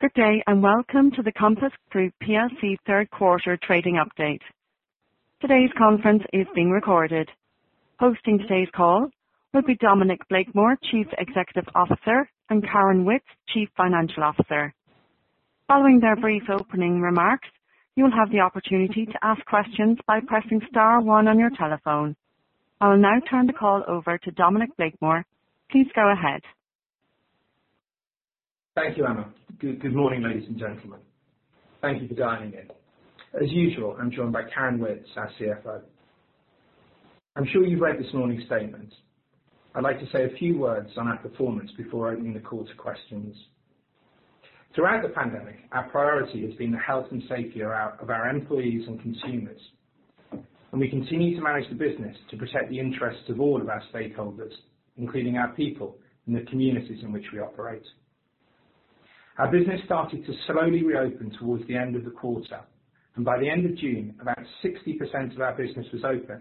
Good day, and welcome to the Compass Group PLC third quarter trading update. Today's conference is being recorded. Hosting today's call will be Dominic Blakemore, Chief Executive Officer, and Karen Witts, Chief Financial Officer. Following their brief opening remarks, you will have the opportunity to ask questions by pressing star one on your telephone. I will now turn the call over to Dominic Blakemore. Please go ahead. Thank you, Emma. Good morning, ladies and gentlemen. Thank you for dialing in. As usual, I'm joined by Karen Witts, our CFO. I'm sure you've read this morning's statement. I'd like to say a few words on our performance before opening the call to questions. Throughout the pandemic, our priority has been the health and safety of our employees and consumers, and we continue to manage the business to protect the interests of all of our stakeholders, including our people in the communities in which we operate. Our business started to slowly reopen towards the end of the quarter, and by the end of June, about 60% of our business was open,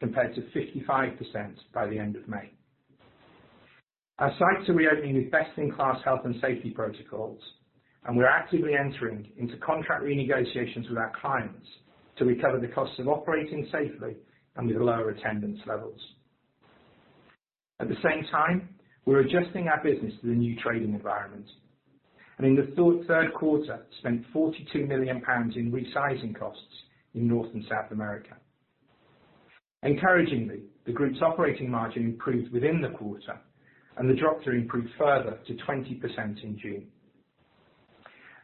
compared to 55% by the end of May. Our sites are reopening with best-in-class health and safety protocols. We are actively entering into contract renegotiations with our clients to recover the cost of operating safely and with lower attendance levels. At the same time, we're adjusting our business to the new trading environment. In the third quarter, spent 42 million pounds in resizing costs in North and South America. Encouragingly, the group's operating margin improved within the quarter. The drop improved further to 20% in June.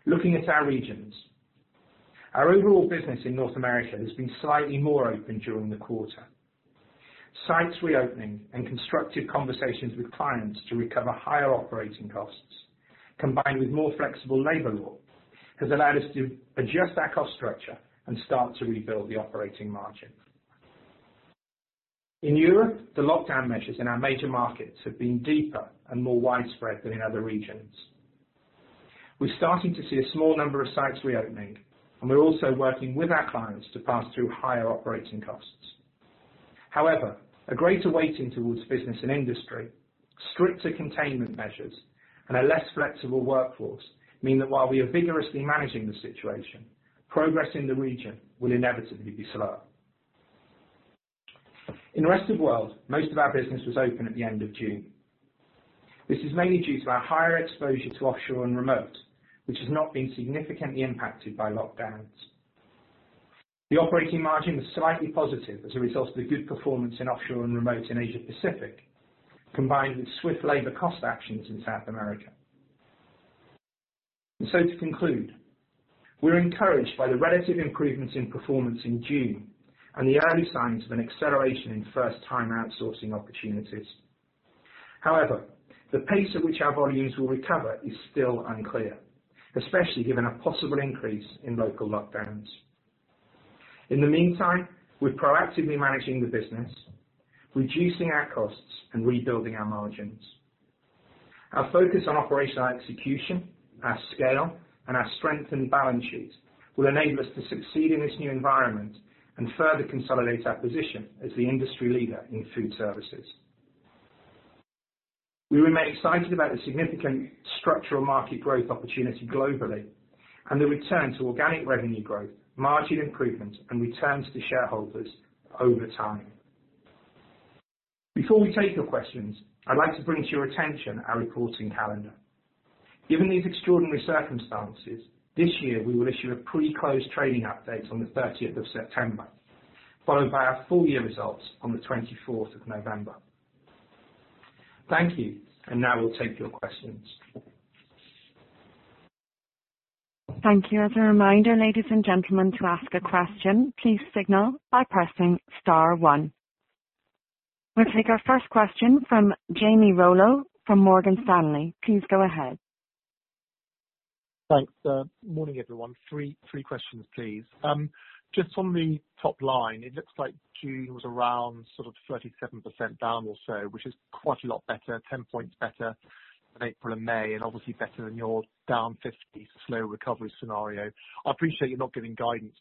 Looking at our regions, our overall business in North America has been slightly more open during the quarter. Sites reopening and constructive conversations with clients to recover higher operating costs, combined with more flexible labor law, has allowed us to adjust our cost structure and start to rebuild the operating margin. In Europe, the lockdown measures in our major markets have been deeper and more widespread than in other regions. We're starting to see a small number of sites reopening, and we're also working with our clients to pass through higher operating costs. However, a greater weighting towards Business & Industry, stricter containment measures, and a less flexible workforce mean that while we are vigorously managing the situation, progress in the region will inevitably be slow. In the Rest of World, most of our business was open at the end of June. This is mainly due to our higher exposure to Offshore & Remote, which has not been significantly impacted by lockdowns. The operating margin was slightly positive as a result of the good performance in Offshore & Remote in Asia-Pacific, combined with swift labor cost actions in South America. To conclude, we are encouraged by the relative improvements in performance in June and the early signs of an acceleration in first-time outsourcing opportunities. The pace at which our volumes will recover is still unclear, especially given a possible increase in local lockdowns. In the meantime, we're proactively managing the business, reducing our costs, and rebuilding our margins. Our focus on operational execution, our scale, and our strength and balance sheet will enable us to succeed in this new environment and further consolidate our position as the industry leader in food services. We remain excited about the significant structural market growth opportunity globally and the return to organic revenue growth, margin improvements, and returns to shareholders over time. Before we take your questions, I'd like to bring to your attention our reporting calendar. Given these extraordinary circumstances, this year, we will issue a pre-closed trading update on the 30th of September, followed by our full-year results on the 24th of November. Thank you. Now we'll take your questions. Thank you. As a reminder, ladies and gentlemen, to ask a question, please signal by pressing star one. We will take our first question from Jamie Rollo from Morgan Stanley. Please go ahead. Thanks. Morning, everyone. Three questions, please. Just on the top line, it looks like June was around sort of 37% down or so, which is quite a lot better, 10 points better than April and May, and obviously better than your down 50 slow recovery scenario. I appreciate you're not giving guidance,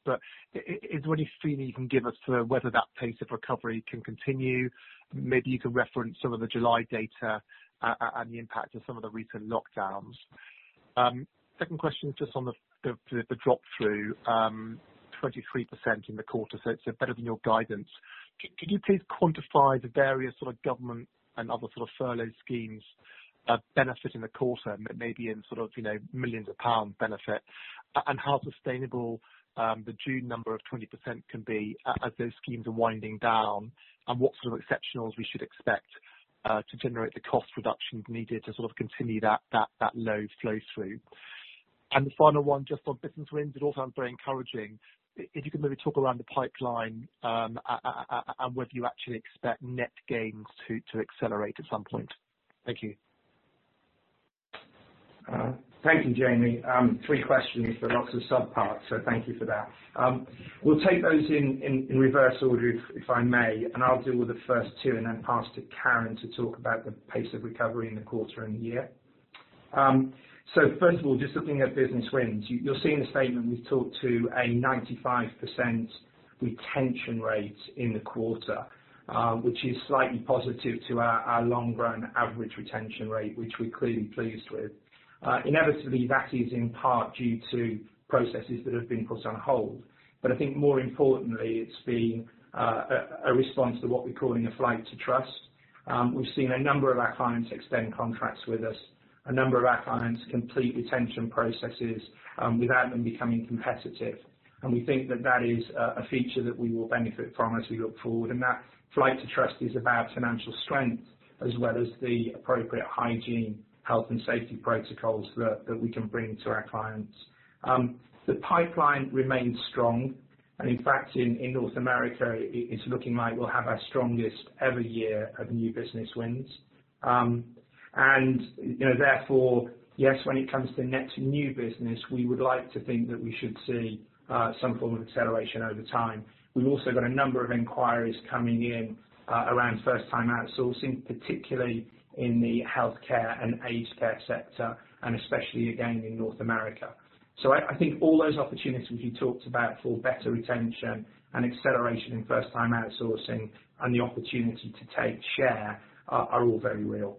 is there any feeling you can give us to whether that pace of recovery can continue? Maybe you can reference some of the July data, and the impact of some of the recent lockdowns. Second question is just on the drop-through, 23% in the quarter, it's better than your guidance. Could you please quantify the various sort of government and other sort of furlough schemes that benefit in the quarter, maybe in sort of millions of GBP benefit, and how sustainable the June number of 20% can be as those schemes are winding down, and what sort of exceptionals we should expect to generate the cost reductions needed to sort of continue that low drop-through? The final one, just on business wins, it all sounds very encouraging. If you can maybe talk around the pipeline, and whether you actually expect net gains to accelerate at some point. Thank you. Thank you, Jamie. Three questions, but lots of subparts, thank you for that. We'll take those in reverse order if I may, and I'll deal with the first two and then pass to Karen to talk about the pace of recovery in the quarter and the year. First of all, just looking at business wins, you'll see in the statement we've talked to a 95% retention rates in the quarter, which is slightly positive to our long-run average retention rate, which we're clearly pleased with. Inevitably, that is in part due to processes that have been put on hold. I think more importantly, it's been a response to what we're calling a flight to trust. We've seen a number of our clients extend contracts with us, a number of our clients complete retention processes without them becoming competitive. We think that that is a feature that we will benefit from as we look forward. That flight to trust is about financial strength, as well as the appropriate hygiene, health, and safety protocols that we can bring to our clients. The pipeline remains strong. In fact, in North America, it's looking like we'll have our strongest ever year of new business wins. Therefore, yes, when it comes to net new business, we would like to think that we should see some form of acceleration over time. We've also got a number of inquiries coming in around first-time outsourcing, particularly in the healthcare and aged care sector, and especially again in North America. I think all those opportunities we talked about for better retention and acceleration in first-time outsourcing and the opportunity to take share are all very real.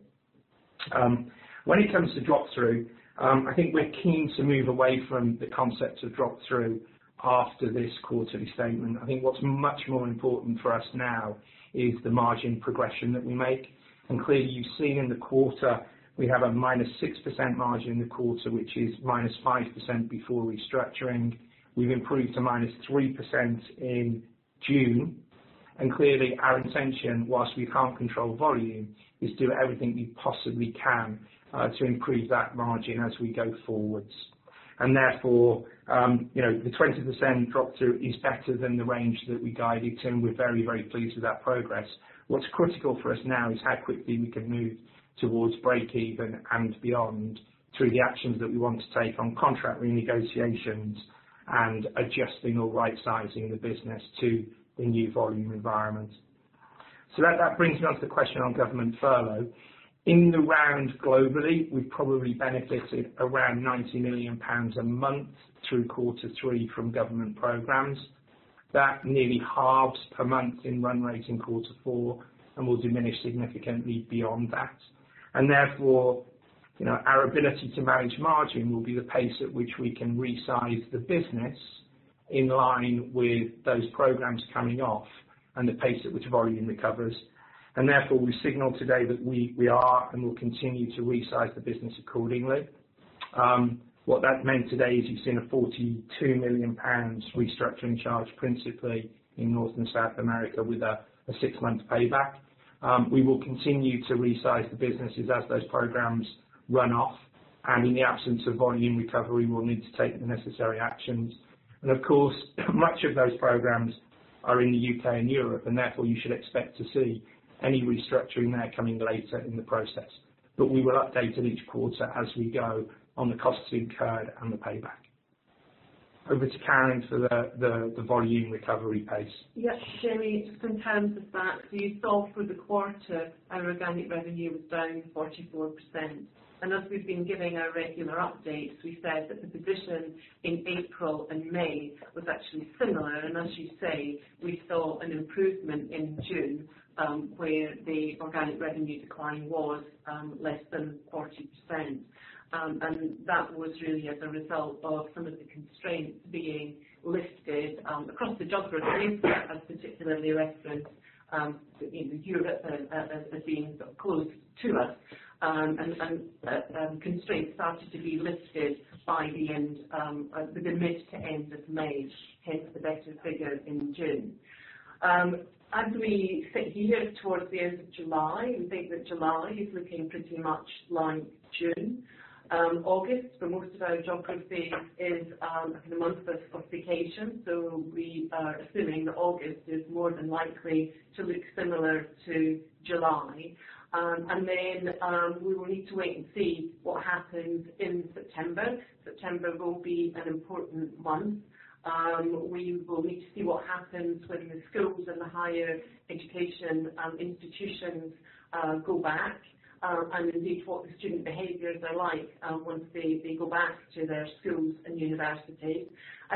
When it comes to drop-through, I think we're keen to move away from the concept of drop-through after this quarterly statement. I think what's much more important for us now is the margin progression that we make. Clearly you've seen in the quarter we have a -6% margin in the quarter, which is -5% before restructuring. We've improved to -3% in June. Clearly our intention, whilst we can't control volume, is do everything we possibly can to improve that margin as we go forwards. Therefore, the 20% drop-through is better than the range that we guided to, and we're very, very pleased with that progress. What's critical for us now is how quickly we can move towards breakeven and beyond through the actions that we want to take on contract renegotiations and adjusting or rightsizing the business to the new volume environment. That brings me on to the question on government furlough. In the round globally, we've probably benefited around 90 million pounds a month through quarter three from government programs. That nearly halves per month in run rate in quarter four and will diminish significantly beyond that. Therefore, our ability to manage margin will be the pace at which we can resize the business in line with those programs coming off and the pace at which volume recovers. Therefore, we signaled today that we are and will continue to resize the business accordingly. What that meant today is you've seen a 42 million pounds restructuring charge, principally in North and South America, with a six-month payback. We will continue to resize the businesses as those programs run off, and in the absence of volume recovery, we'll need to take the necessary actions. Much of those programs are in the U.K. and Europe, and therefore you should expect to see any restructuring there coming later in the process. We will update in each quarter as we go on the costs incurred and the payback. Over to Karen for the volume recovery pace. Yes, Jamie, just in terms of that, you saw through the quarter our organic revenue was down 44%. As we've been giving our regular updates, we said that the position in April and May was actually similar. As you say, we saw an improvement in June, where the organic revenue decline was less than 40%. That was really as a result of some of the constraints being lifted across the geographies, as particularly referenced with Europe as being close to us. Constraints started to be lifted by the mid to end of May, hence the better figure in June. As we head towards the end of July, we think that July is looking pretty much like June. August for most of our geographies is the month of vacation. We are assuming that August is more than likely to look similar to July. We will need to wait and see what happens in September. September will be an important month. We will need to see what happens when the schools and the higher education institutions go back, and indeed what the student behaviors are like once they go back to their schools and universities.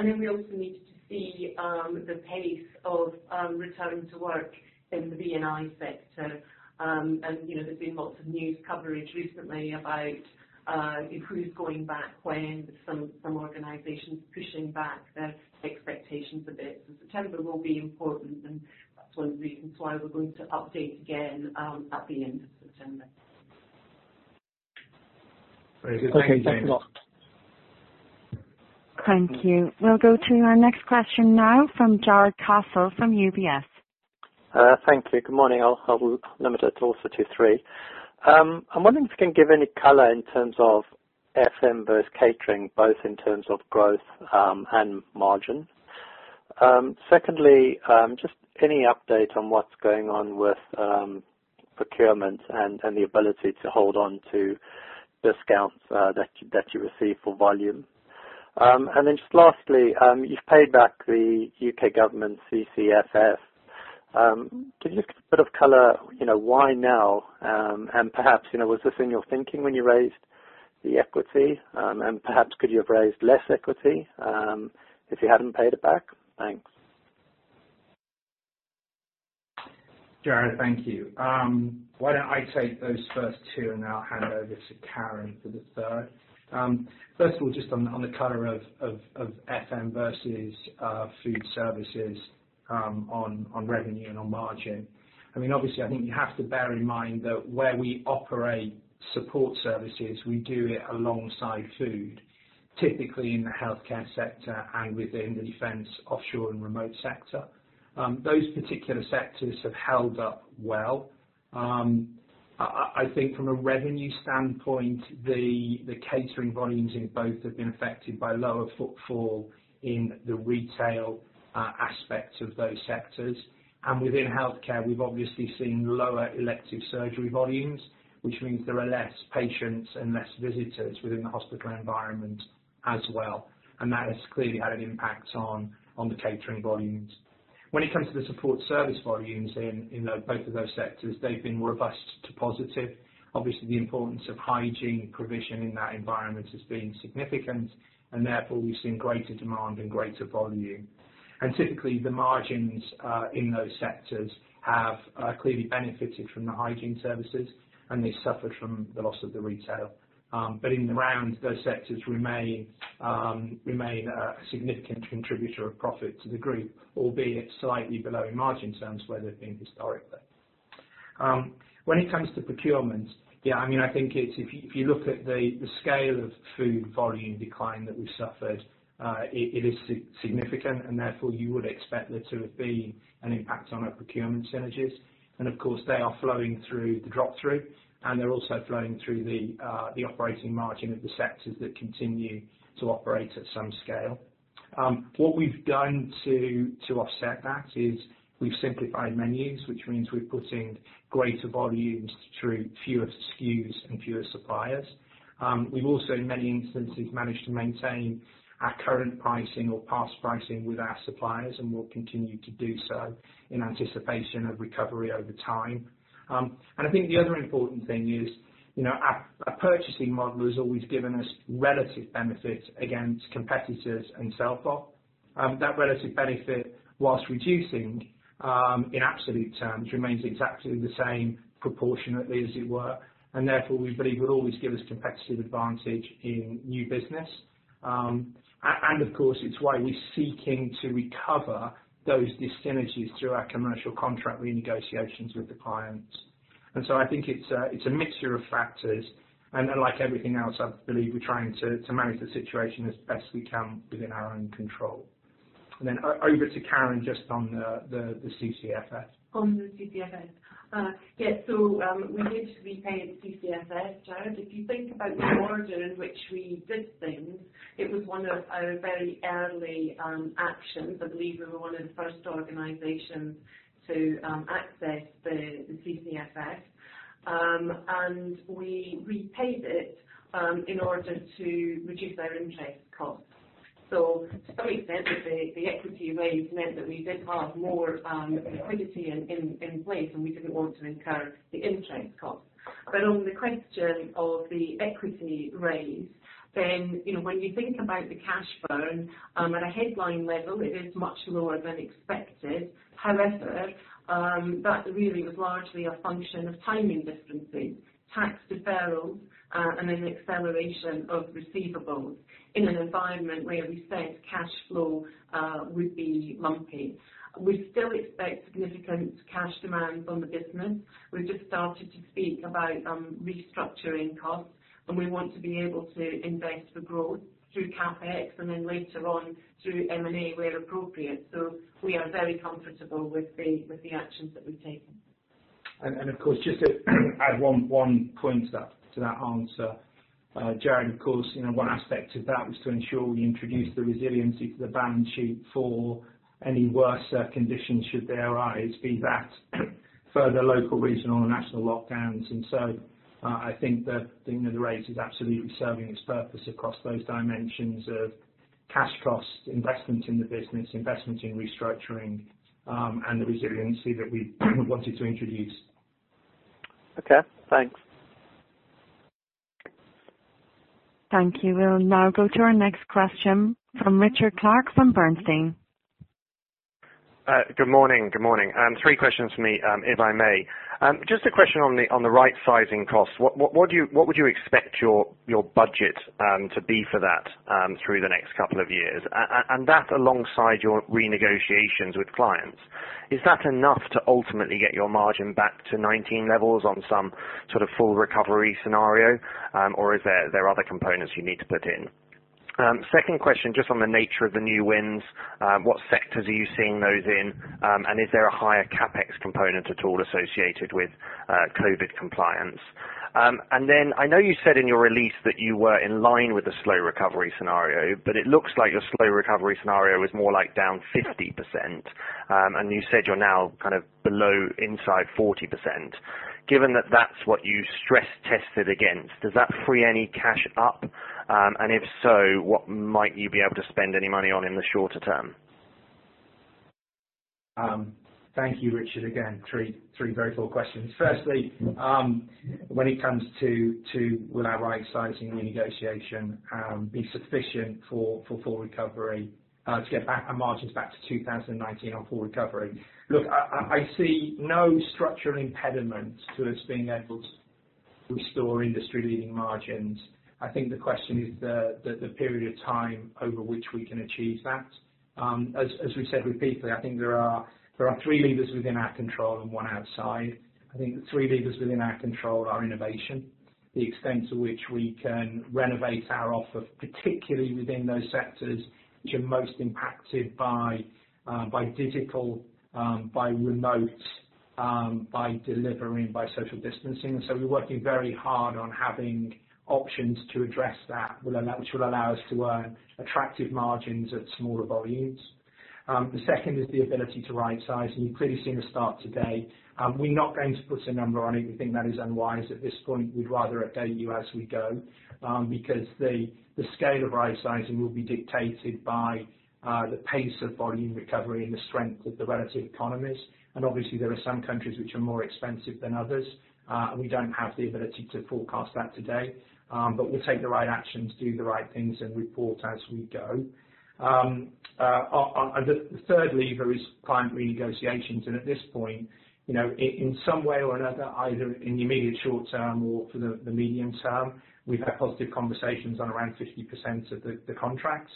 We also need to see the pace of return to work in the B&I sector. There's been lots of news coverage recently about who's going back when. There's some organizations pushing back their expectations a bit. September will be important, and that's one of the reasons why we're going to update again at the end of September. Very good. Thank you. Okay. Thanks a lot. Thank you. We'll go to our next question now from Jarrod Castle from UBS. Thank you. Good morning. I will limit it also to three. I'm wondering if you can give any color in terms of FM versus catering, both in terms of growth and margin. Secondly, just any update on what's going on with procurement and the ability to hold on to discounts that you receive for volume. Just lastly, you've paid back the U.K. government CCFF. Can you just put a color, why now? Perhaps, was this in your thinking when you raised the equity? Perhaps could you have raised less equity, if you hadn't paid it back? Thanks. Jarrod, thank you. Why don't I take those first two and then I'll hand over to Karen for the third. First of all, just on the color of FM versus food services, on revenue and on margin. Obviously, I think you have to bear in mind that where we operate support services, we do it alongside food, typically in the healthcare sector and within the Defence, Offshore & Remote sector. Those particular sectors have held up well. I think from a revenue standpoint, the catering volumes in both have been affected by lower footfall in the retail aspect of those sectors. Within healthcare, we've obviously seen lower elective surgery volumes, which means there are less patients and less visitors within the hospital environment as well, and that has clearly had an impact on the catering volumes. When it comes to the support services volumes in both of those sectors, they've been robust to positive. Obviously, the importance of hygiene provision in that environment has been significant, and therefore we've seen greater demand and greater volume. Typically, the margins in those sectors have clearly benefited from the hygiene services and they suffered from the loss of the retail. In the round, those sectors remain a significant contributor of profit to the group, albeit slightly below in margin terms where they've been historically. When it comes to procurement, I think if you look at the scale of food volume decline that we suffered, it is significant and therefore you would expect there to have been an impact on our procurement synergies. Of course, they are flowing through the drop-through and they're also flowing through the operating margin of the sectors that continue to operate at some scale. What we've done to offset that is we've simplified menus, which means we're putting greater volumes through fewer SKUs and fewer suppliers. We've also, in many instances, managed to maintain our current pricing or past pricing with our suppliers, and we'll continue to do so in anticipation of recovery over time. I think the other important thing is, our purchasing model has always given us relative benefits against competitors and self-op. That relative benefit, whilst reducing, in absolute terms, remains exactly the same proportionately as it were, and therefore we believe will always give us competitive advantage in new business. Of course, it's why we're seeking to recover those dyssynergies through our commercial contract renegotiations with the clients. I think it's a mixture of factors, and like everything else, I believe we're trying to manage the situation as best we can within our own control. Over to Karen, just on the CCFF. On the CCFF. Yeah. We need to repay the CCFF, Jarrod. If you think about the order in which we did things, it was one of our very early actions. I believe we were one of the first organizations to access the CCFF. We repaid it, in order to reduce our interest costs. To some extent, the equity raise meant that we did have more liquidity in place, and we didn't want to incur the interest costs. On the question of the equity raise, then when you think about the cash burn, at a headline level, it is much lower than expected. That really was largely a function of timing differences, tax deferrals, and an acceleration of receivables in an environment where we said cashflow would be lumpy. We still expect significant cash demands on the business. We've just started to speak about restructuring costs, and we want to be able to invest for growth through CapEx and then later on through M&A where appropriate. We are very comfortable with the actions that we've taken. Of course, just to add one point to that answer, Jarrod, of course, one aspect of that was to ensure we introduced the resiliency to the balance sheet for any worse conditions should they arise, be that further local, regional or national lockdowns. I think that the raise is absolutely serving its purpose across those dimensions of cash costs, investment in the business, investment in restructuring, and the resiliency that we wanted to introduce. Okay, thanks. Thank you. We'll now go to our next question from Richard Clarke from Bernstein. Good morning. Three questions from me, if I may. Just a question on the rightsizing costs. What would you expect your budget to be for that through the next couple of years? That alongside your renegotiations with clients. Is that enough to ultimately get your margin back to 2019 levels on some sort of full recovery scenario? Is there other components you need to put in? Second question, just on the nature of the new wins. What sectors are you seeing those in? Is there a higher CapEx component at all associated with COVID compliance? I know you said in your release that you were in line with the slow recovery scenario, but it looks like your slow recovery scenario is more like down 50%, and you said you're now kind of below inside 40%. Given that that's what you stress tested against, does that free any cash up? If so, what might you be able to spend any money on in the shorter term? Thank you, Richard. Again, three very full questions. Firstly, when it comes to will our rightsizing renegotiation be sufficient to get our margins back to 2019 on full recovery. Look, I see no structural impediment to us being able to restore industry-leading margins. I think the question is the period of time over which we can achieve that. As we've said repeatedly, I think there are three levers within our control and one outside. I think the three levers within our control are innovation, the extent to which we can renovate our offer, particularly within those sectors which are most impacted by digital, by remote, by delivering, by social distancing. We're working very hard on having options to address that, which will allow us to earn attractive margins at smaller volumes. The second is the ability to right-size, and you've clearly seen a start today. We're not going to put a number on it. We think that is unwise at this point. We'd rather update you as we go. The scale of rightsizing will be dictated by the pace of volume recovery and the strength of the relative economies. Obviously there are some countries which are more expensive than others. We don't have the ability to forecast that today. We'll take the right actions, do the right things, and report as we go. The third lever is client renegotiations. At this point, in some way or another, either in the immediate short term or for the medium term, we've had positive conversations on around 50% of the contracts,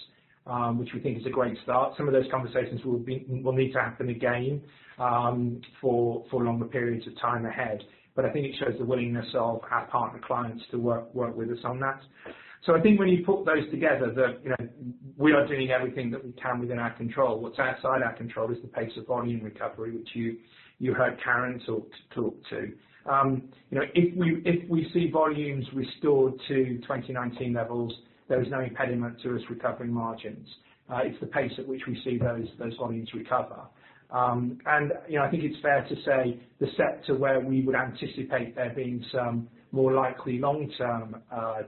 which we think is a great start. Some of those conversations will need to happen again for longer periods of time ahead. I think it shows the willingness of our partner clients to work with us on that. I think when you put those together, we are doing everything that we can within our control. What's outside our control is the pace of volume recovery, which you heard Karen talk to. If we see volumes restored to 2019 levels, there is no impediment to us recovering margins. It's the pace at which we see those volumes recover. I think it's fair to say the sector where we would anticipate there being some more likely long-term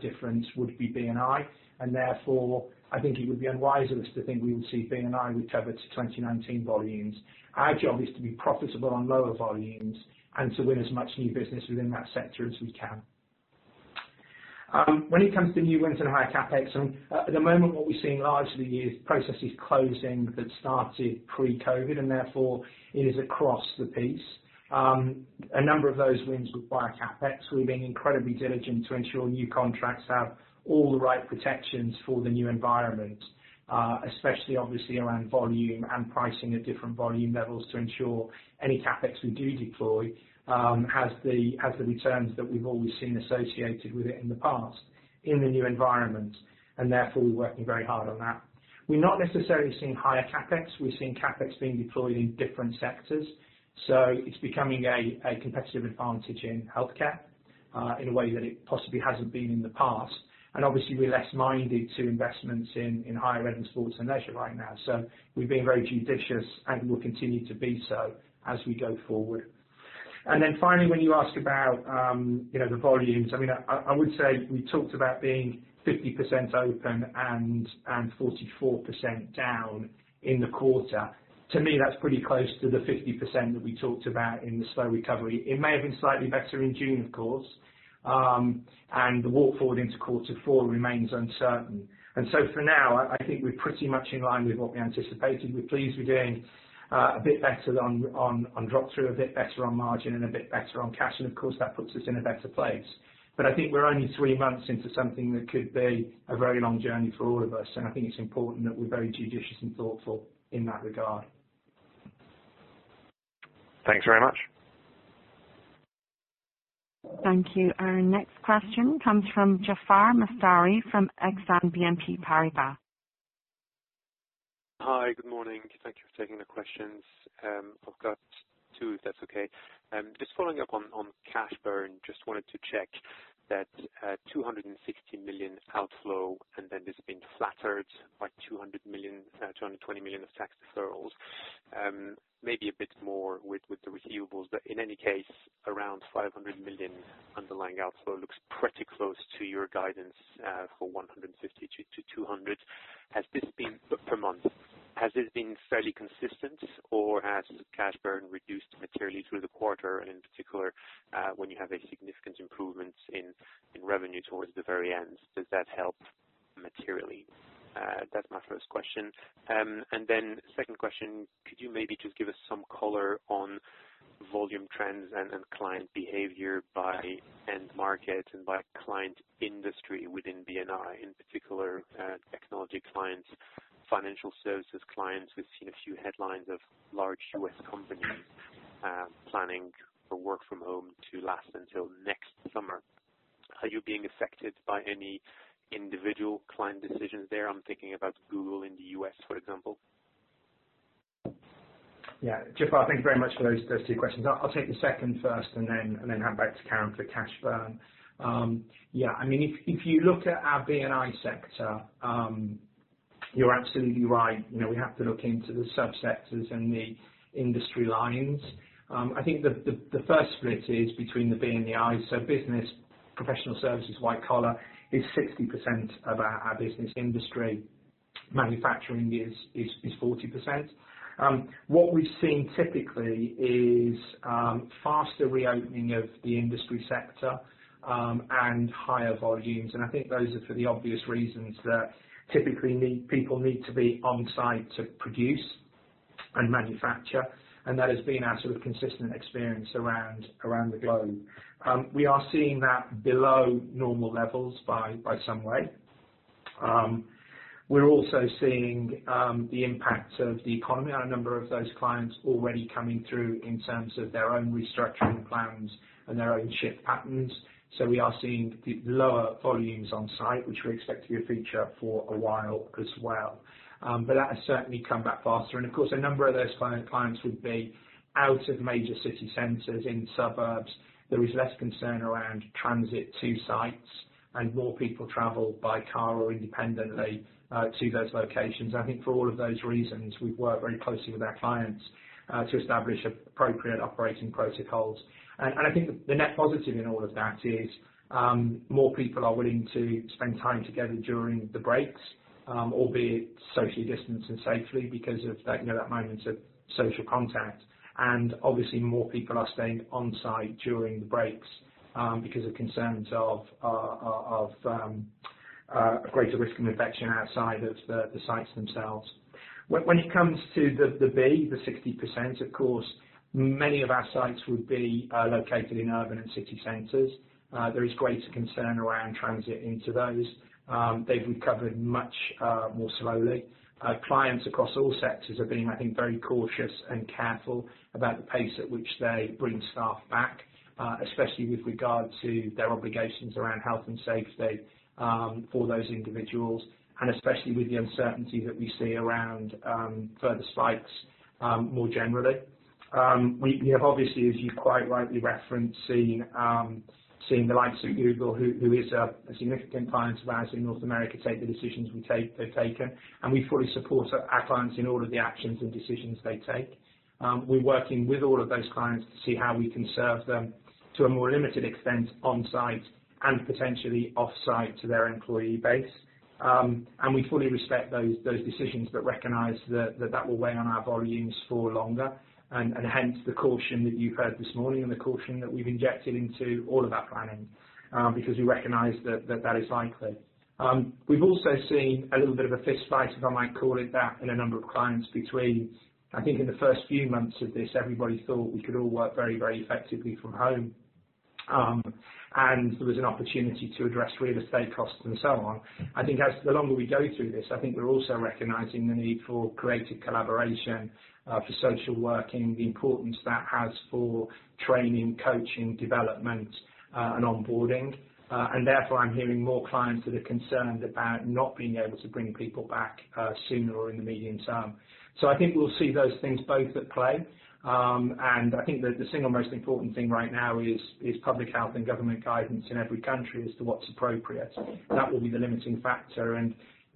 difference would be B&I, and therefore, I think it would be unwise of us to think we would see B&I recover to 2019 volumes. Our job is to be profitable on lower volumes and to win as much new business within that sector as we can. When it comes to new wins and higher CapEx, at the moment what we're seeing largely is processes closing that started pre-COVID, and therefore it is across the piece. A number of those wins require CapEx. We're being incredibly diligent to ensure new contracts have all the right protections for the new environment. Especially obviously around volume and pricing at different volume levels to ensure any CapEx we do deploy has the returns that we've always seen associated with it in the past in the new environment. Therefore, we're working very hard on that. We're not necessarily seeing higher CapEx. We're seeing CapEx being deployed in different sectors. It's becoming a competitive advantage in healthcare, in a way that it possibly hasn't been in the past. Obviously we're less minded to investments in higher ed and Sports & Leisure right now. We're being very judicious and will continue to be so as we go forward. Finally, when you ask about the volumes, I would say we talked about being 50% open and 44% down in the quarter. To me, that's pretty close to the 50% that we talked about in the slow recovery. It may have been slightly better in June, of course. The walk forward into quarter four remains uncertain. For now, I think we're pretty much in line with what we anticipated. We're pleased we're doing a bit better on drop-through, a bit better on margin, and a bit better on cash. Of course, that puts us in a better place. I think we're only three months into something that could be a very long journey for all of us. I think it's important that we're very judicious and thoughtful in that regard. Thanks very much. Thank you. Our next question comes from Jaafar Mestari from Exane BNP Paribas. Hi. Good morning. Thank you for taking the questions. I've got two, if that's okay. Following up on cash burn, just wanted to check that 260 million outflow, and then this has been flattered by 220 million of tax deferrals. In any case, around 500 million underlying outflow looks pretty close to your guidance for 150 million-200 million per month. Has this been fairly consistent or has cash burn reduced materially through the quarter, and in particular, when you have a significant improvement in revenue towards the very end, does that help materially? That's my first question. Second question, could you maybe just give us some color on volume trends and client behavior by end market and by client industry within B&I, in particular technology clients, financial services clients? We've seen a few headlines of large U.S. companies planning for work from home to last until next summer. Are you being affected by any individual client decisions there? I'm thinking about Google in the U.S., for example. Jaafar, thank you very much for those two questions. I will take the second first and then hand back to Karen for cash burn. If you look at our B&I sector. You are absolutely right. We have to look into the subsectors and the industry lines. I think the first split is between the B and the I. Business professional services, white collar, is 60% of our Business & Industry. Manufacturing is 40%. What we have seen typically is faster reopening of the industry sector and higher volumes, and I think those are for the obvious reasons that typically, people need to be on-site to produce and manufacture, and that has been our sort of consistent experience around the globe. We are seeing that below normal levels by some way. We're also seeing the impact of the economy on a number of those clients already coming through in terms of their own restructuring plans and their own shift patterns. We are seeing lower volumes on-site, which we expect to feature for a while as well. That has certainly come back faster. Of course, a number of those clients would be out of major city centers in suburbs. There is less concern around transit to sites and more people travel by car or independently to those locations. I think for all of those reasons, we've worked very closely with our clients to establish appropriate operating protocols. I think the net positive in all of that is more people are willing to spend time together during the breaks, albeit socially distanced and safely because of that moment of social contact. Obviously more people are staying on-site during the breaks because of concerns of a greater risk of infection outside of the sites themselves. When it comes to the B&I, the 60%, of course, many of our sites would be located in urban and city centers. There is greater concern around transit into those. They've recovered much more slowly. Clients across all sectors are being, I think, very cautious and careful about the pace at which they bring staff back, especially with regard to their obligations around health and safety for those individuals, and especially with the uncertainty that we see around further spikes more generally. We have obviously, as you quite rightly referenced, seen the likes of Google, who is a significant client of ours in North America, take the decisions they've taken, and we fully support our clients in all of the actions and decisions they take. We're working with all of those clients to see how we can serve them to a more limited extent on-site and potentially off-site to their employee base. We fully respect those decisions but recognize that that will weigh on our volumes for longer, and hence the caution that you've heard this morning and the caution that we've injected into all of our planning, because we recognize that that is likely. We've also seen a little bit of a fistfight, if I might call it that, in a number of clients between, I think in the first few months of this, everybody thought we could all work very effectively from home, and there was an opportunity to address real estate costs and so on. I think as the longer we go through this, I think we're also recognizing the need for creative collaboration for social working, the importance that has for training, coaching, development, and onboarding. I'm hearing more clients that are concerned about not being able to bring people back sooner or in the medium term. I think we'll see those things both at play. I think that the single most important thing right now is public health and government guidance in every country as to what's appropriate. That will be the limiting factor.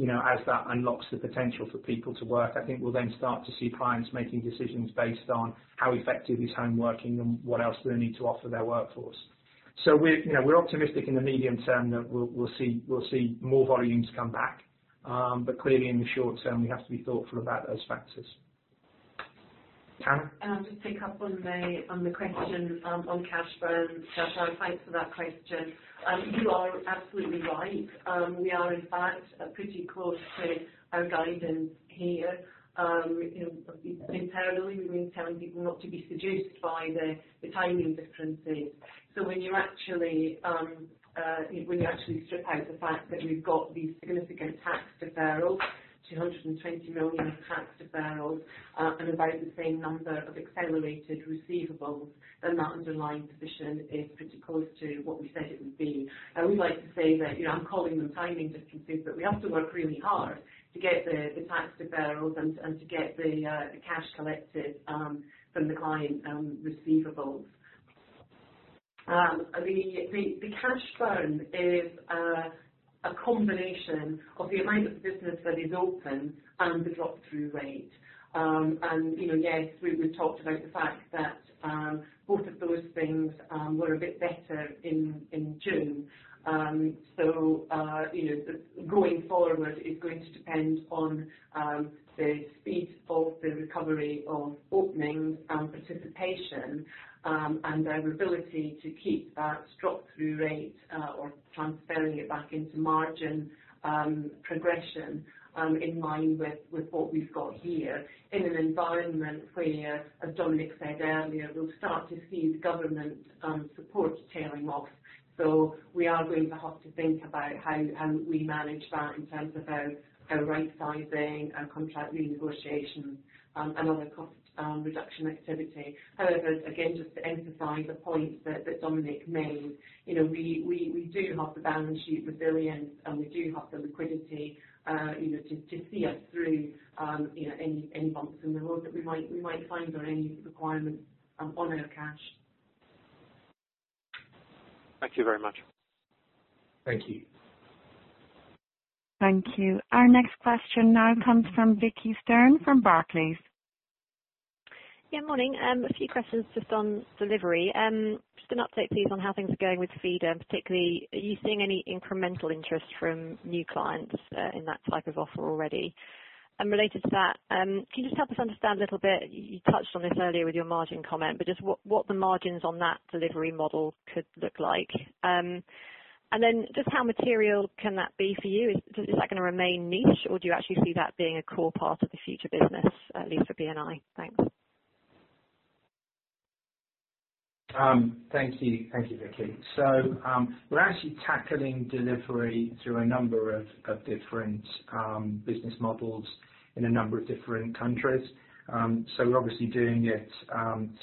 As that unlocks the potential for people to work, I think we'll then start to see clients making decisions based on how effective is home working and what else do they need to offer their workforce. We're optimistic in the medium term that we'll see more volumes come back. Clearly, in the short term, we have to be thoughtful about those factors. Karen? Just to pick up on the question on cash burn. Jaafar, thanks for that question. You are absolutely right. We are, in fact, pretty close to our guidance here. Internally, we've been telling people not to be seduced by the timing differences. When you actually strip out the fact that we've got these significant tax deferrals, 220 million of tax deferrals, and about the same number of accelerated receivables, that underlying position is pretty close to what we said it would be. I would like to say that I'm calling them timing differences, we have to work really hard to get the tax deferrals and to get the cash collected from the client receivables. The cash burn is a combination of the amount of business that is open and the drop-through rate. Yes, we talked about the fact that both of those things were a bit better in June. Going forward, it's going to depend on the speed of the recovery of openings and participation, and our ability to keep that drop-through rate or transferring it back into margin progression in line with what we've got here in an environment where, as Dominic said earlier, we'll start to see the government support tailing off. We are going to have to think about how we manage that in terms of our rightsizing, our contract renegotiation, and other cost reduction activity. Again, just to emphasize a point that Dominic made, we do have the balance sheet resilience, and we do have the liquidity to see us through any bumps in the road that we might find or any requirements on our cash. Thank you very much. Thank you. Thank you. Our next question now comes from Vicki Stern from Barclays. Yeah, morning. A few questions just on delivery. Just an update, please, on how things are going with Feedr. Particularly, are you seeing any incremental interest from new clients in that type of offer already? Related to that, can you just help us understand a little bit, you touched on this earlier with your margin comment, just what the margins on that delivery model could look like? Just how material can that be for you? Is that going to remain niche, or do you actually see that being a core part of the future business, at least for B&I? Thanks. Thank you. Thank you, Vicki. We're actually tackling delivery through a number of different business models in a number of different countries. We're obviously doing it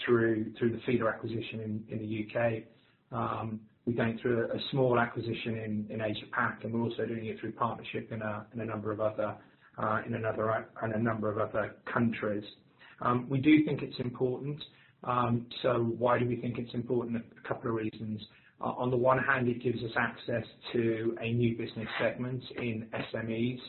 through the Feedr acquisition in the U.K. We're going through a small acquisition in Asia-Pac, and we're also doing it through partnership in a number of other countries. We do think it's important. Why do we think it's important? A couple of reasons. On the one hand, it gives us access to a new business segment in SMEs,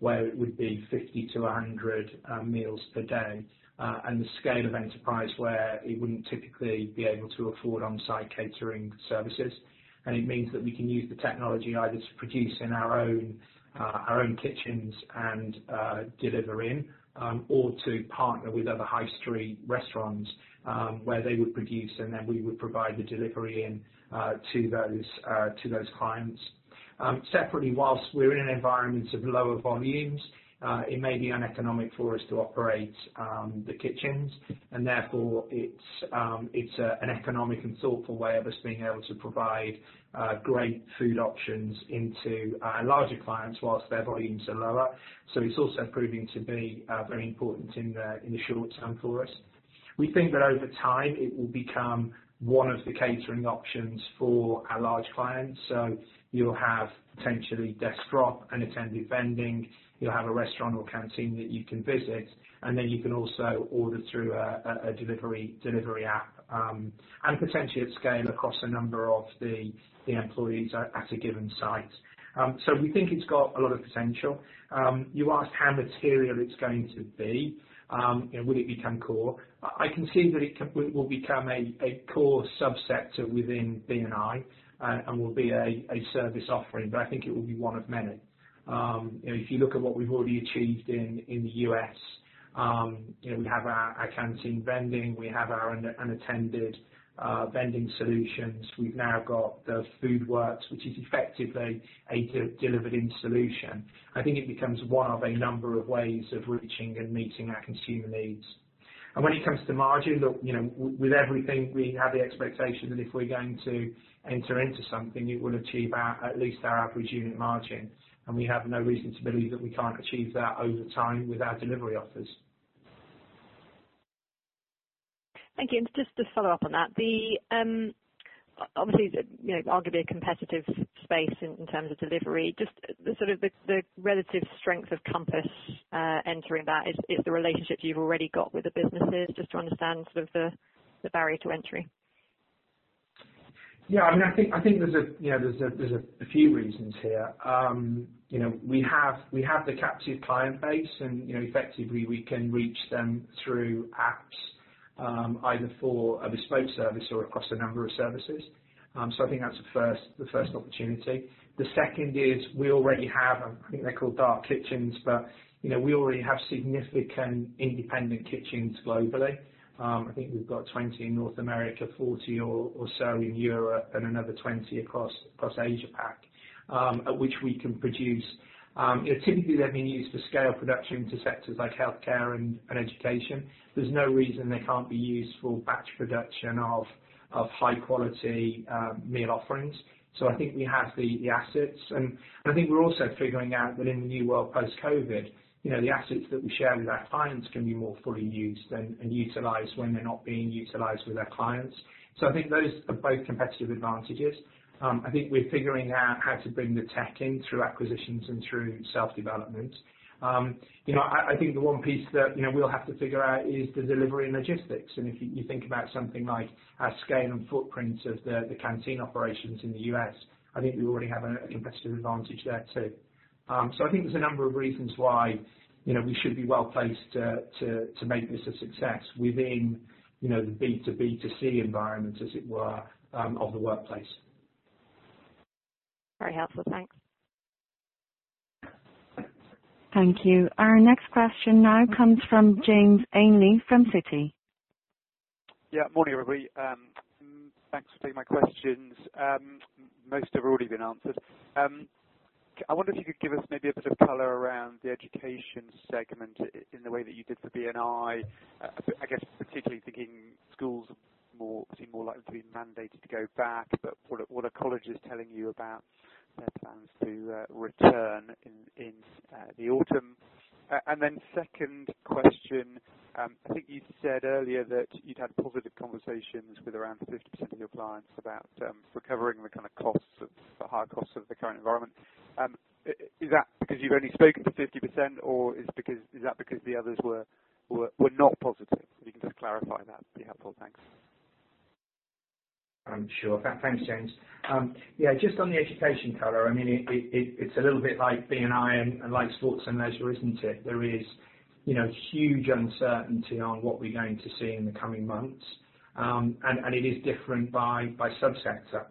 where it would be 50 to 100 meals per day, and the scale of enterprise where it wouldn't typically be able to afford on-site catering services. It means that we can use the technology either to produce in our own kitchens and deliver in, or to partner with other high street restaurants, where they would produce and then we would provide the delivery in to those clients. Separately, whilst we're in an environment of lower volumes, it may be uneconomic for us to operate the kitchens. Therefore, it's an economic and thoughtful way of us being able to provide great food options into larger clients whilst their volumes are lower. It's also proving to be very important in the short term for us. We think that over time, it will become one of the catering options for our large clients. You'll have potentially desk drop and attended vending, you'll have a restaurant or canteen that you can visit, and then you can also order through a delivery app, and potentially at scale across a number of the employees at a given site. We think it's got a lot of potential. You asked how material it's going to be and will it become core? I can see that it will become a core subsector within B&I, and will be a service offering, but I think it will be one of many. If you look at what we've already achieved in the U.S., we have our Canteen vending, we have our unattended vending solutions. We've now got the Foodworks, which is effectively a delivered-in solution. I think it becomes one of a number of ways of reaching and meeting our consumer needs. When it comes to margin, look, with everything, we have the expectation that if we're going to enter into something, it will achieve at least our average unit margin, and we have no reason to believe that we can't achieve that over time with our delivery offers. Thank you. Just to follow up on that. Obviously, arguably a competitive space in terms of delivery, just sort of the relative strength of Compass entering that is the relationships you've already got with the businesses, just to understand sort of the barrier to entry. I think there's a few reasons here. We have the captive client base and effectively we can reach them through apps, either for a bespoke service or across a number of services. I think that's the first opportunity. The second is we already have, I think they're called dark kitchens, but we already have significant independent kitchens globally. I think we've got 20 in North America, 40 or so in Europe, and another 20 across Asia-Pac, at which we can produce. Typically, they're being used for scale production into sectors like healthcare and education. There's no reason they can't be used for batch production of high-quality meal offerings. I think we have the assets, and I think we're also figuring out that in the new world post-COVID, the assets that we share with our clients can be more fully used and utilized when they're not being utilized with our clients. I think those are both competitive advantages. I think we're figuring out how to bring the tech in through acquisitions and through self-development. I think the one piece that we'll have to figure out is the delivery and logistics. If you think about something like our scale and footprint of the Canteen operations in the U.S., I think we already have a competitive advantage there, too. I think there's a number of reasons why we should be well-placed to make this a success within the B2B2C environment, as it were, of the workplace. Very helpful. Thanks. Thank you. Our next question now comes from James Ainley from Citi. Yeah. Morning, everybody. Thanks for taking my questions. Most have already been answered. I wonder if you could give us maybe a bit of color around the education segment in the way that you did for B&I. I guess particularly thinking schools seem more likely to be mandated to go back. What are colleges telling you about their plans to return in the autumn? Second question, I think you said earlier that you'd had positive conversations with around 50% of your clients about recovering the kind of costs, the higher costs of the current environment. Is that because you've only spoken to 50% or is that because the others were not positive? If you can just clarify that, it'd be helpful. Thanks. I'm sure. Thanks, James Ainley. Yeah, just on the education color, it's a little bit like B&I and like Sports & Leisure, isn't it? There is huge uncertainty on what we're going to see in the coming months. It is different by sub-sector.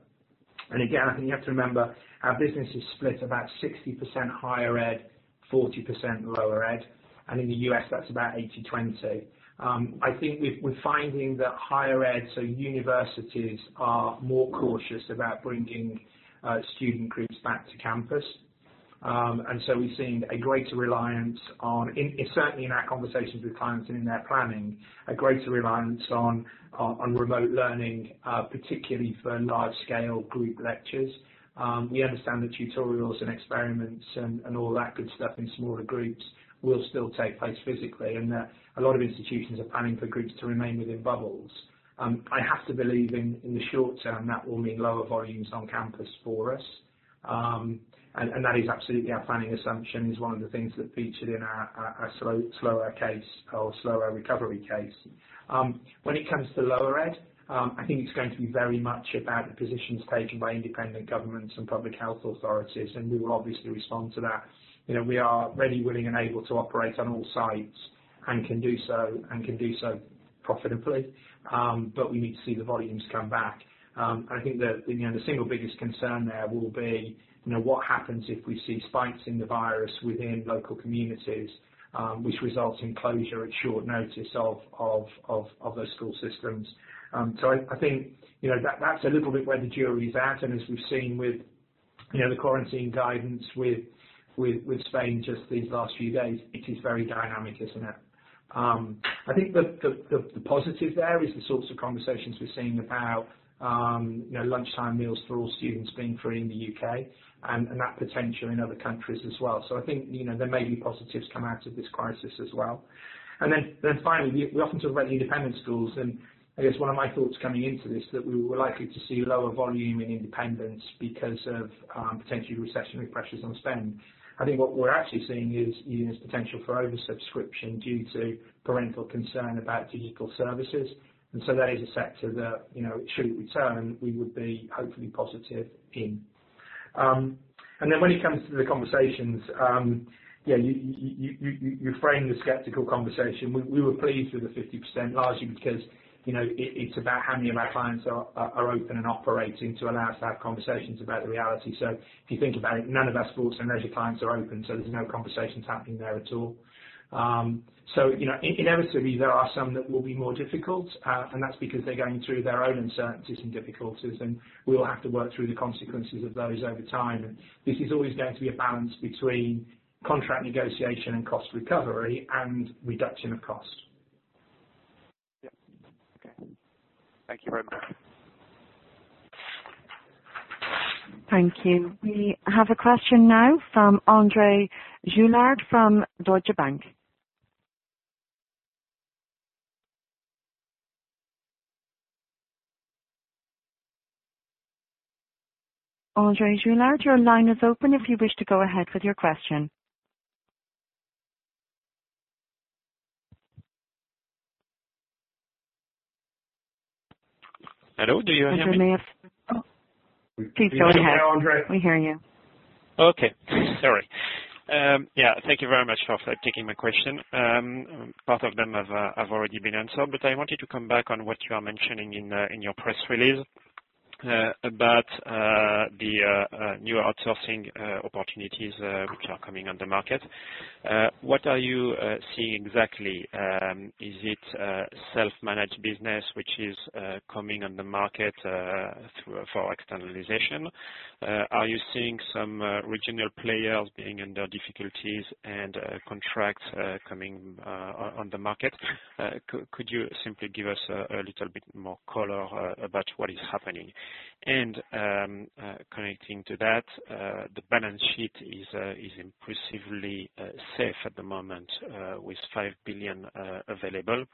Again, I think you have to remember our business is split about 60% higher ed, 40% lower ed, and in the U.S., that's about 80/20. I think we're finding that higher ed, so universities, are more cautious about bringing student groups back to campus. So we've seen, certainly in our conversations with clients and in their planning, a greater reliance on remote learning, particularly for large-scale group lectures. We understand the tutorials and experiments and all that good stuff in smaller groups will still take place physically, and a lot of institutions are planning for groups to remain within bubbles. I have to believe in the short term, that will mean lower volumes on campus for us. That is absolutely our planning assumption, is one of the things that featured in our slower recovery case. When it comes to lower ed, I think it's going to be very much about the positions taken by independent governments and public health authorities, and we will obviously respond to that. We are ready, willing, and able to operate on all sides and can do so profitably. We need to see the volumes come back. I think the single biggest concern there will be, what happens if we see spikes in the virus within local communities, which results in closure at short notice of those school systems. I think that's a little bit where the jury's at, and as we've seen with the quarantine guidance with Spain just these last few days, it is very dynamic, isn't it? I think the positive there is the sorts of conversations we're seeing about lunchtime meals for all students being free in the U.K. and that potential in other countries as well. I think there may be positives come out of this crisis as well. Finally, we often talk about independent schools, and I guess one of my thoughts coming into this, that we were likely to see lower volume in independents because of potential recessionary pressures on spend. I think what we're actually seeing is potential for oversubscription due to parental concern about digital services. That is a sector that, it should return, we would be hopefully positive in. When it comes to the conversations, you frame the skeptical conversation. We were pleased with the 50%, largely because it's about how many of our clients are open and operating to allow us to have conversations about the reality. If you think about it, none of our Sports & Leisure clients are open, so there's no conversations happening there at all. Inevitably, there are some that will be more difficult, and that's because they're going through their own uncertainties and difficulties, and we will have to work through the consequences of those over time. This is always going to be a balance between contract negotiation and cost recovery and reduction of cost. Yeah. Okay. Thank you very much. Thank you. We have a question now from André Juillard from Deutsche Bank. André Juillard, your line is open if you wish to go ahead with your question. Hello, do you hear me? Please go ahead. Hello, André. We hear you. Okay. Sorry. Thank you very much for taking my question. Part of them have already been answered, but I wanted to come back on what you are mentioning in your press release about the new outsourcing opportunities which are coming on the market. What are you seeing exactly? Is it self-managed business which is coming on the market for externalization? Are you seeing some regional players being under difficulties and contracts coming on the market? Could you simply give us a little bit more color about what is happening? Connecting to that, the balance sheet is impressively safe at the moment, with 5 billion available.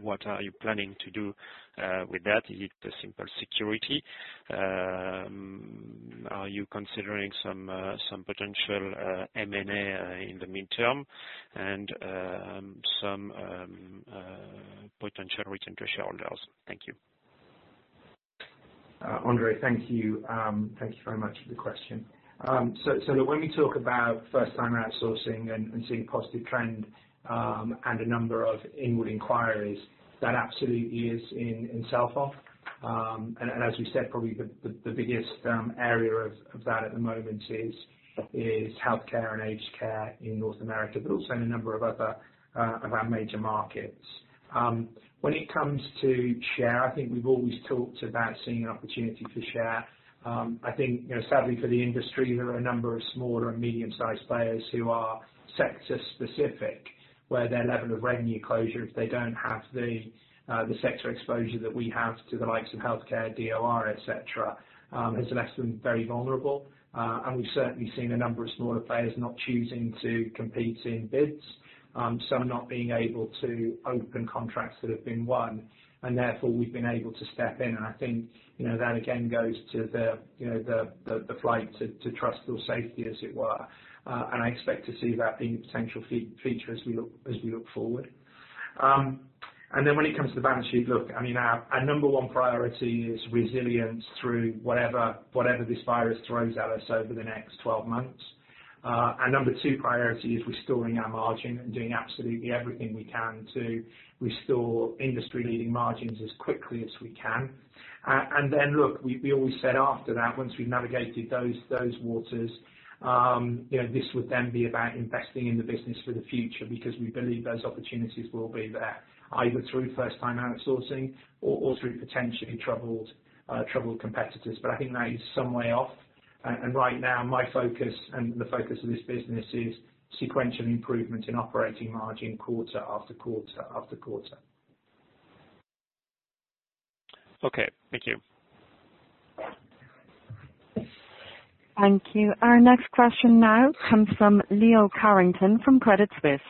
What are you planning to do with that? Is it a simple security? Are you considering some potential M&A in the midterm and some potential return to shareholders? Thank you. André, thank you. Thank you very much for the question. When we talk about first-time outsourcing and seeing positive trend, and a number of inward inquiries, that absolutely is in self-op. As we said, probably the biggest area of that at the moment is healthcare and aged care in North America, but also in a number of our major markets. When it comes to share, I think we've always talked about seeing an opportunity for share. I think sadly for the industry, there are a number of smaller and medium-sized players who are sector-specific, where their level of revenue closure, if they don't have the sector exposure that we have to the likes of healthcare, DOR, et cetera, has left them very vulnerable. We've certainly seen a number of smaller players not choosing to compete in bids. Some not being able to open contracts that have been won, and therefore we've been able to step in. I think that again goes to the flight to trust or safety as it were. I expect to see that being a potential feature as we look forward. When it comes to the balance sheet, look, our number one priority is resilience through whatever this virus throws at us over the next 12 months. Our number two priority is restoring our margin and doing absolutely everything we can to restore industry-leading margins as quickly as we can. Look, we always said after that, once we've navigated those waters, this would then be about investing in the business for the future because we believe those opportunities will be there, either through first-time outsourcing or through potentially troubled competitors. I think that is some way off. Right now, my focus and the focus of this business is sequential improvement in operating margin quarter after quarter after quarter. Okay. Thank you. Thank you. Our next question now comes from Leo Carrington from Credit Suisse.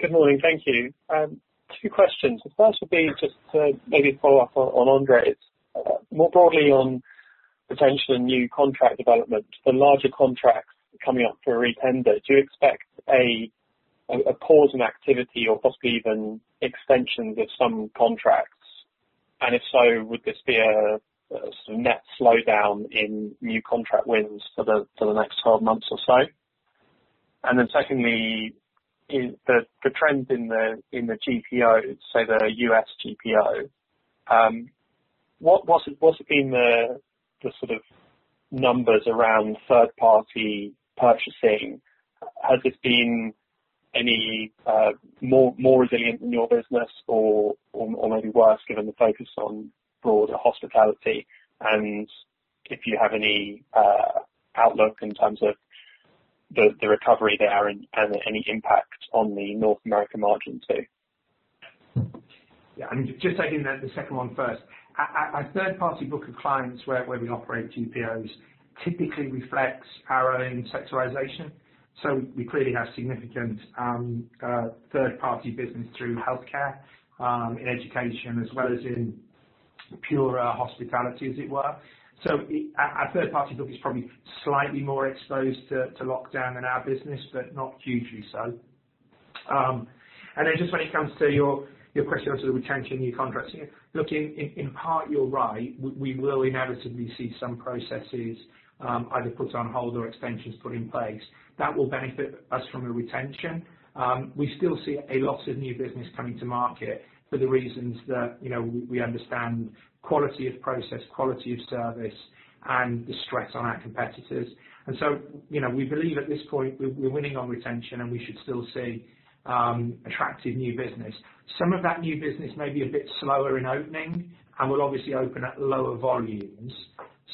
Good morning. Thank you. Two questions. The first would be just to maybe follow up on André's. More broadly on potential new contract development for larger contracts coming up for a re-tender, do you expect a pause in activity or possibly even extensions of some contracts? If so, would this be a net slowdown in new contract wins for the next 12 months or so? Secondly, the trends in the GPO, say, the U.S. GPO, what has been the sort of numbers around third-party purchasing? Has this been any more resilient in your business or maybe worse given the focus on broader hospitality? If you have any outlook in terms of the recovery there and any impact on the North American margin too. Just taking the second one first. Our third-party book of clients where we operate GPOs typically reflects our own sectorization. We clearly have significant third-party business through healthcare, in education, as well as in pure hospitality, as it were. Our third-party book is probably slightly more exposed to lockdown in our business, but not hugely so. Just when it comes to your question on to the retention new contracts. Look, in part, you're right, we will inevitably see some processes either put on hold or extensions put in place. That will benefit us from a retention. We still see a lot of new business coming to market for the reasons that we understand quality of process, quality of service, and the stress on our competitors. We believe at this point we're winning on retention, and we should still see attractive new business. Some of that new business may be a bit slower in opening and will obviously open at lower volumes.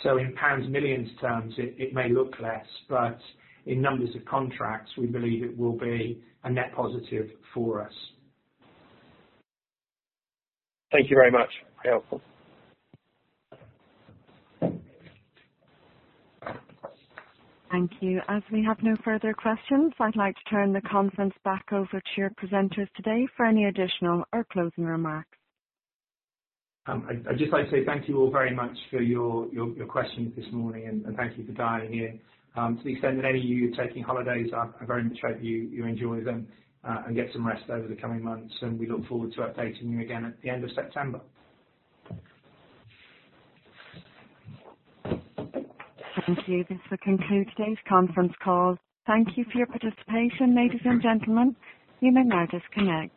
In GBP, millions terms, it may look less, but in numbers of contracts, we believe it will be a net positive for us. Thank you very much. Helpful. Thank you. As we have no further questions, I'd like to turn the conference back over to your presenters today for any additional or closing remarks. I'd just like to say thank you all very much for your questions this morning, and thank you for dialing in. To the extent that any of you are taking holidays, I very much hope you enjoy them and get some rest over the coming months, and we look forward to updating you again at the end of September. Thank you. This will conclude today's conference call. Thank you for your participation, ladies and gentlemen. You may now disconnect.